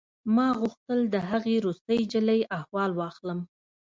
ما غوښتل د هغې روسۍ نجلۍ احوال واخلم